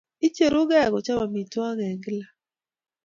Icheruge kochop amitwogik eng' gila.